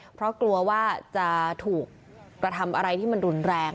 เพราะกลัวว่าจะถูกกระทำอะไรที่มันรุนแรง